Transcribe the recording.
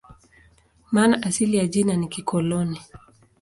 Maana asili ya jina ni "koloni".